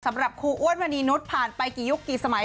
สำหรับครูอ้วนมณีนุษย์ผ่านไปกี่ยุคกี่สมัย